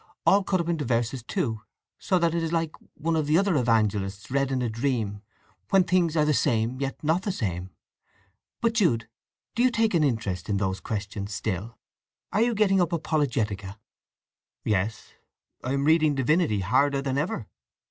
All cut up into verses, too; so that it is like one of the other evangelists read in a dream, when things are the same, yet not the same. But, Jude, do you take an interest in those questions still? Are you getting up Apologetica?" "Yes. I am reading Divinity harder than ever."